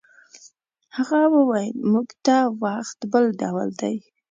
هغه وویل موږ ته وخت بل ډول دی.